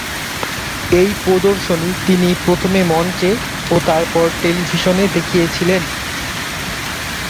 এই প্রদর্শনী তিনি প্রথমে মঞ্চে ও তারপর টেলিভিশনে দেখিয়েছিলেন।